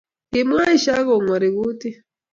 Kimwa Aisha akongurei kutit